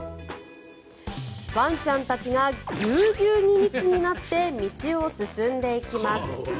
ワンちゃんたちがぎゅうぎゅうに密になって道を進んでいきます。